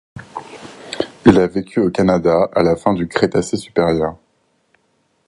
Il a vécu au Canada, à la fin du Crétacé supérieur.